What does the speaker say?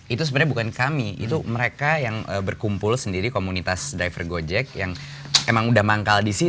itu sebenarnya bukan kami itu mereka yang berkumpul sendiri komunitas driver gojek yang